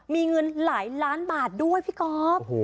มีเงินหลายล้านบาทด้วยพี่ก๊อฟ